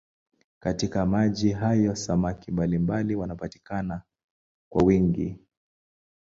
Katika maji hayo samaki mbalimbali wanapatikana kwa wingi.